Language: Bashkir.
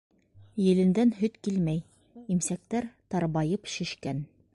Елендән һөт килмәй, имсәктәр тарбайып шешкән.